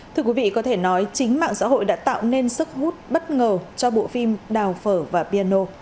thưa quý vị có thể nói chính mạng xã hội đã tạo nên sức hút bất ngờ cho bộ phim đào phở và piano